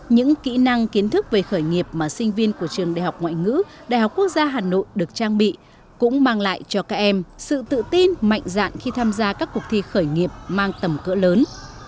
những kỹ năng kiến thức về khởi nghiệp mà sinh viên của trường đại học ngoại ngữ đại học quốc gia hà nội được trang bị cũng mang lại cho các em sự tự tin mạnh dạn khi tham gia các cuộc thi khởi nghiệp mang tầm cỡ lớn